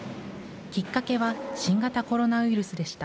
きっかけは新型コロナウイルスでした。